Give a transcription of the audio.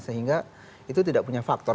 sehingga itu tidak punya faktor